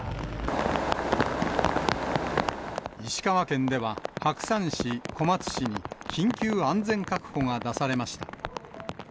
石川県では白山市、小松市に緊急安全確保が出されました。